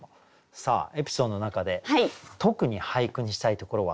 さあエピソードの中で特に俳句にしたいところはどこか。